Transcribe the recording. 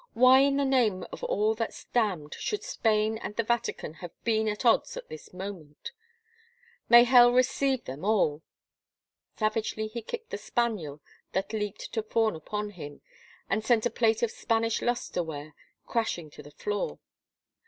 " Why in the name of all that's damned should Spain and the Vatican have been at odds at this moment ?... May hell receive them all 1 " Savagely he kicked the spaniel that leaped to fawn upon him and sent a plate of Spanish luster ware crashing to the floor.